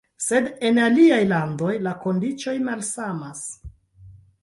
Sed en aliaj landoj la kondiĉoj malsamas.